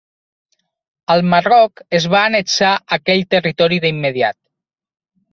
El Marroc es va annexar aquell territori d'immediat.